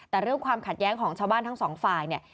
แต่เรื่องความขัดแย้งของชาวบ้านทั้งสองฝ่ายเนี่ย